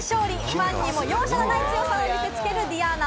ファンにも容赦のない強さを見せ付けるｄｉａｎａ。